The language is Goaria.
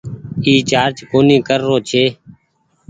اي چآرج ڪونيٚ ڪر رو ڇي۔